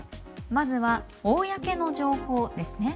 まずは公の情報ですね。